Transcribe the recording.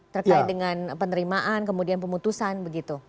terkait dengan penerimaan kemudian pemutusan begitu